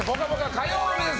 火曜日です。